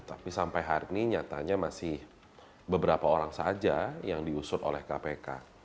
tapi sampai hari ini nyatanya masih beberapa orang saja yang diusut oleh kpk